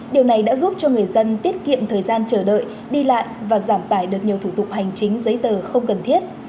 điều này đã giúp cho người dân tiết kiệm thời gian chờ đợi đi lại và giảm tải được nhiều thủ tục hành chính giấy tờ không cần thiết